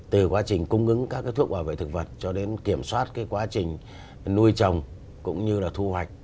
từ quá trình cung ứng các thuốc bảo vệ thực vật cho đến kiểm soát quá trình nuôi trồng cũng như là thu hoạch